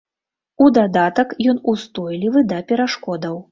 У дадатак ён устойлівы да перашкодаў.